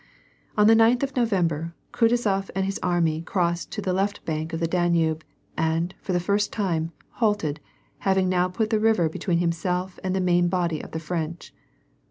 On the ninth of November, Kutuzof and his army crossed to the left bank of the Danube, and, for the first time, halted, having now put the river between himself and the main body of the French.